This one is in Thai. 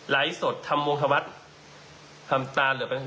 ไลฟ์สดธรรมวงธวัฒน์ธรรมตาเหลือเป็น